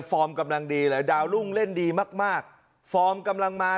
กำลังดีเลยดาวรุ่งเล่นดีมากมากฟอร์มกำลังมา